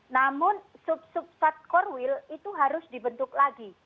namun sub sub sat core wheel itu harus dibentuk lain